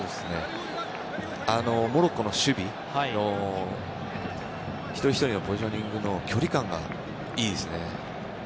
モロッコの守備の一人ひとりのポジショニングの距離感がいいですね。